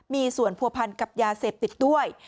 มีส่วนผัวพันกับยาเสพติดด้วย